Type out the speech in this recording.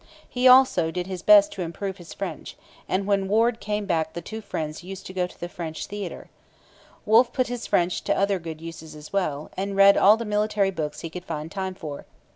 He also did his best to improve his French; and when Warde came back the two friends used to go to the French theatre. Wolfe put his French to other use as well, and read all the military books he could find time for.